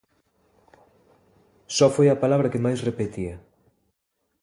Só foi a palabra que máis repetía.